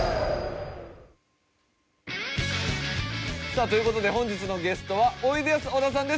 さあという事で本日のゲストはおいでやす小田さんです。